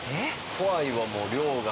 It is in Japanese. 怖いわもう量が。